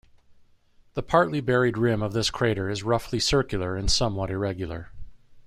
The partly buried rim of this crater is roughly circular and somewhat irregular.